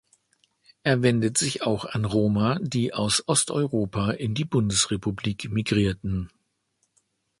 Er wendet sich auch an Roma, die aus Osteuropa in die Bundesrepublik migrierten.